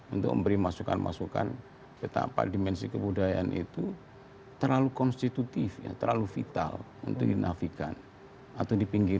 untuk memberi masukan masukan betapa dimensi kebudayaan itu terlalu konstitusi terlalu vital untuk dinafikan atau dipinggirkan